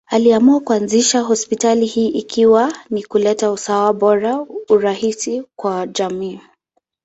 Aliamua kuanzisha hospitali hii ikiwa ni kuleta usawa, ubora, urahisi kwa jamii.